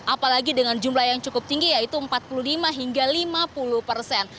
apalagi dengan jumlah yang cukup tinggi yaitu empat puluh lima hingga lima puluh persen